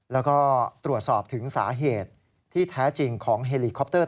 แล้วก็ตรวจสอบถึงสาเหตุที่แท้จริงของเฮลีคอปเตอร์